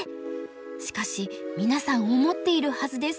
しかし皆さん思っているはずです。